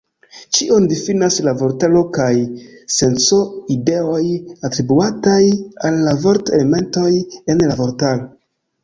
Ĉion difinas la vortaro kaj la senco-ideoj atribuataj al la vort-elementoj en la vortaro.